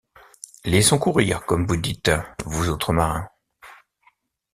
Laissons courir, comme vous dites, vous autres marins.